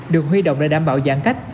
được huy động để đảm bảo giãn cách